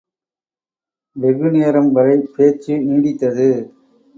வெகு நேரம் வரை பேச்சு நீடித்தது.